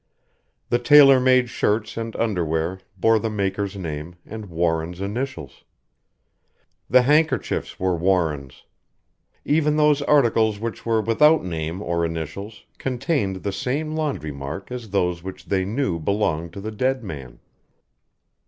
The tailor made shirts and underwear bore the maker's name and Warren's initials. The handkerchiefs were Warren's. Even those articles which were without name or initials contained the same laundry mark as those which they knew belonged to the dead man.